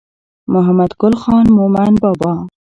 محمد ګل خان مومند بابا